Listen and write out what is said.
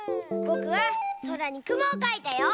ぼくはそらにくもをかいたよ！